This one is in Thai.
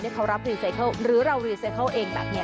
เขารับรีไซเคิลหรือเรารีไซเคิลเองแบบนี้